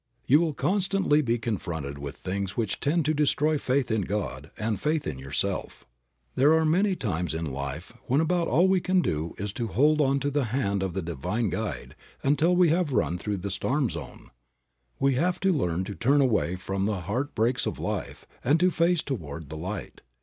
You will constantly be confronted with things which tend to destroy faith in God and faith in yourself. There are many times in life when about all we can do is to hold on to the hand of the Divine Guide until we have run through the storm zone. We have to learn to turn away from the heart breaks of life and to face toward the light.